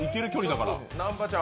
南波ちゃん